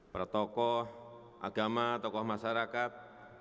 para tokoh agama tokoh masyarakat